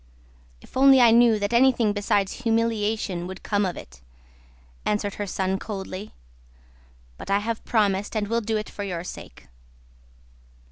"If only I knew that anything besides humiliation would come of it..." answered her son coldly. "But I have promised and will do it for your sake."